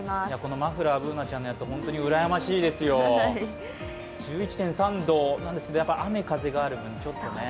マフラー、Ｂｏｏｎａちゃんのやつうらやましいですよ、１１．３度雨・風がある分ちょっとね。